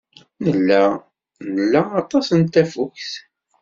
Nella nla aṭas n tafukt.